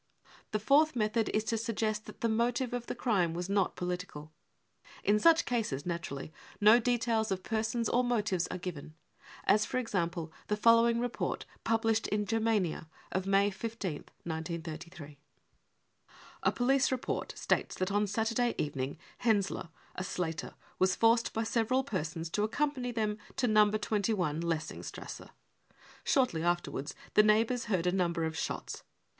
The fourth method is to suggest that the motive of the crime was not political ; in such cases, naturally, no details of persons or motives are given, as for example the following report published in Germania of May 15th, 1933 :£< A police report states that on Saturday evening Henseler, a slater, was forced by several persons to accompany them to No. 2 s Lessingstrasse. Shortly afterv/ards the neighbours heard a number of shots.